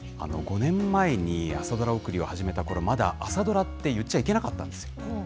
５年前に朝ドラ送りを始めたころ、まだ朝ドラって言っちゃいけなかったんですよ。